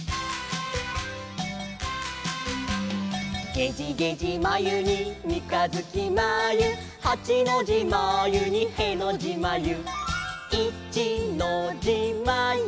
「げじげじまゆにみかづきまゆ」「はちのじまゆにへのじまゆ」「いちのじまゆに」